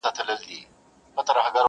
ما درکړي تا ته سترګي چي مي ووینې پخپله،